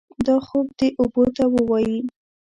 دا خوب دې اوبو ته ووايي.